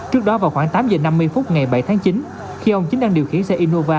trước đó vào khoảng tám giờ năm mươi phút ngày bảy tháng chín khi ông chính đang điều khiển xe innova